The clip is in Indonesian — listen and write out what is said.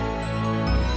bukan gitu kak